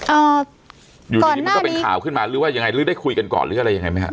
อ่าอยู่ดีมันก็เป็นข่าวขึ้นมาหรือว่ายังไงหรือได้คุยกันก่อนหรืออะไรยังไงไหมฮะ